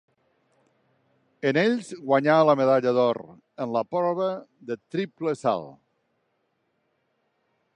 En ells guanyà la medalla d'or en la prova del triple salt.